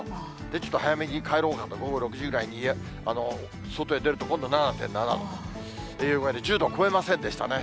ちょっと早めに帰ろうかと、午後６時ぐらいに外へ出ると、今度７．７度、という具合で１０度を超えませんでしたね。